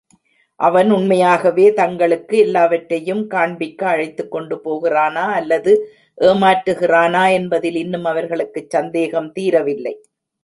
அவன் உண்மையாகவே தங்களுக்கு எல்லாவற்றையும் காண்பிக்க அழைத்துக்கொண்டு போகிறானா அல்லது ஏமாற்றுகிறானா என்பதில் இன்னும் அவர்களுக்குச் சந்தேகம் தீரவில்லை.